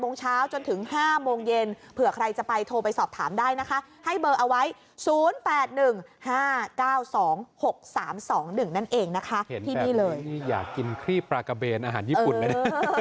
๒๖๓๒๑นั่นเองนะคะเห็นแบบนี้อยากกินครีบปลากระเบนอาหารญี่ปุ่น